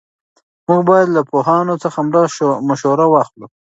موږ باید له پوهانو څخه مشوره واخلو.